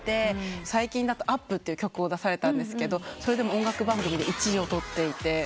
最近だと『Ｕｐ！』って曲を出されたんですけど音楽番組で１位を取っていて。